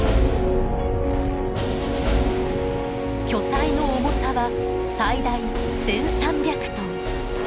巨体の重さは最大１，３００トン。